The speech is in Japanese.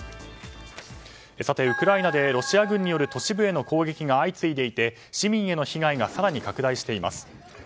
ウクライナでロシア軍による都市部への攻撃が相次いでいて、市民への被害が更に拡大しています。